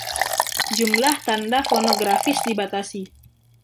Jumlah tanda fonografis dibatasi.